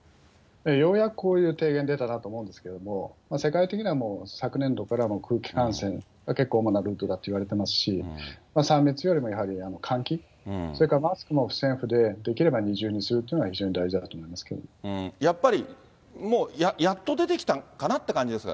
ようやくこういう提言出たなと思うんですけども、世界的にはもう昨年度から空気感染が結構なルートだといわれていますし、３密よりもやはり換気、それからマスクも不織布でできれば二重にするのが非常に大事だとやっぱり、もうやっと出てきたかなっていう感じですか？